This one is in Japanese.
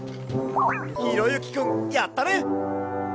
ひろゆきくんやったね！